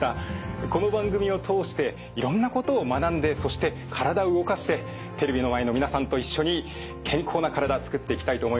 この番組を通していろんなことを学んでそして体を動かしてテレビの前の皆さんと一緒に健康な体つくっていきたいと思います。